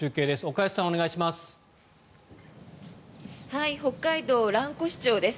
岡安さん、お願いします。